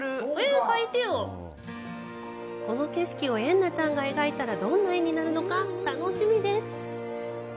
この景色をエンナちゃんが描いたらどんな絵になるのか楽しみです